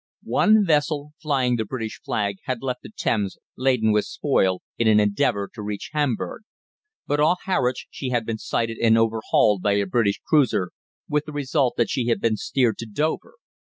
One vessel flying the British flag had left the Thames laden with spoil, in an endeavour to reach Hamburg, but off Harwich she had been sighted and overhauled by a British cruiser, with the result that she had been steered to Dover.